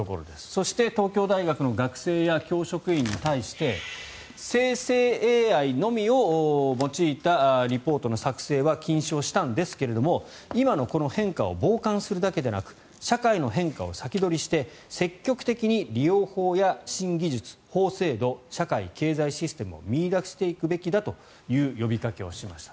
そして、東京大学の学生や教職員に対して生成ＡＩのみを用いたリポートの作成は禁止をしたんですが今のこの変化を傍観するだけでなく社会の変化を先取りして積極的に利用法や新技術法制度社会・経済システムを見いだしていくべきだという呼びかけをしました。